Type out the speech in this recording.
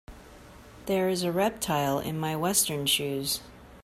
There is a reptile in my western shoes.